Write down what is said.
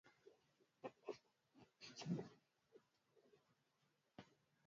na uhalali wa maamuzi wa serikali yake